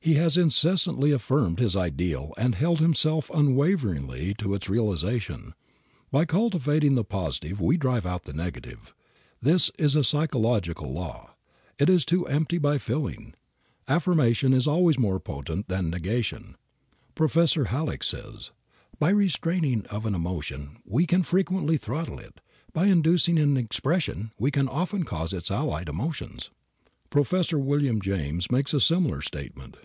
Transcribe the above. He has incessantly affirmed his ideal and held himself unwaveringly to its realization. By cultivating the positive we drive out the negative. This is a psychological law. It is to "empty by filling." Affirmation is always more potent than negation. Prof. Halleck says "By restraining of an emotion, we can frequently throttle it; by inducing an expression, we can often cause its allied emotions." Prof. Wm. James makes a similar statement.